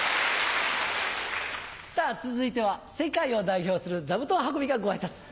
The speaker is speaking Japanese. さぁ続いては世界を代表する座布団運びがご挨拶。